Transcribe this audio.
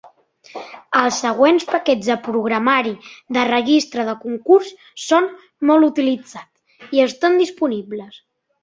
Els següents paquets de programari de registre de concurs són molt utilitzats i estan disponibles.